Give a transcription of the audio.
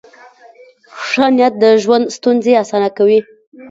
ښه نیت د ژوند ستونزې اسانه کوي.